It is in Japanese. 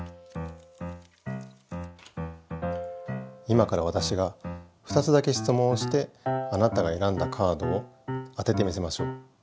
今からわたしが２つだけ質問をしてあなたがえらんだカードを当ててみせましょう。